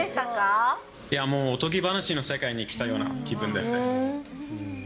いやもう、おとぎ話の世界に来たような気分です。